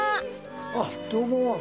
あっ、どうも。